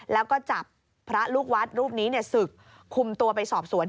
แล้วก็จับพระลูกวัดรูปนี้ศึกคุมตัวไปสอบสวน